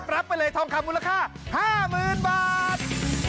รับไปเลยทองคำมูลค่า๕๐๐๐บาท